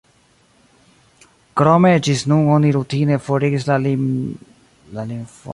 Krome ĝis nun oni rutine forigis la limfonodojn el la akseloj.